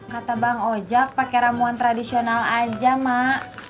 kata bang ojak pake ramuan tradisional aja mak